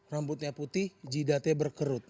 rambutnya putih jidatnya berkerut